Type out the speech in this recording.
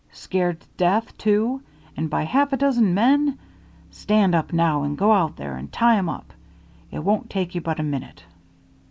Scared to death, too; and by half a dozen men! Stand up now, and go out there and tie 'em up. It won't take you but a minute."